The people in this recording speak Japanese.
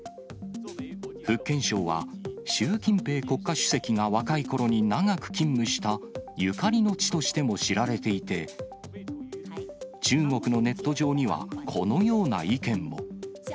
福建省は、習近平国家主席が若いころに長く勤務したゆかりの地としても知られていて、中国のネット上には、このような意見も。